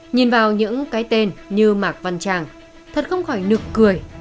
nhìn vào những cái tên như mạc văn tràng thật không khỏi nụ cười